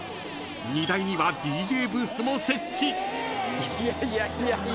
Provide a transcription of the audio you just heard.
［荷台にはＤＪブースも設置］